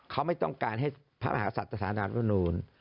เขาไม่ต้องการให้พระอาสัตว์สถาบันดาลทรัพย์มนูญ